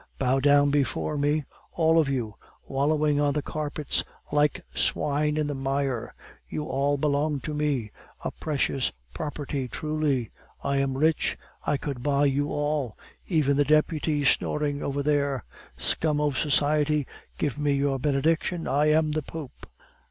Bow down before me, all of you, wallowing on the carpets like swine in the mire! You all belong to me a precious property truly! I am rich; I could buy you all, even the deputy snoring over there. Scum of society, give me your benediction! I am the Pope."